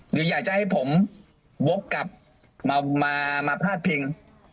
หรืออยากจะให้ผมโว๊คกลับมามามาพลาดพิง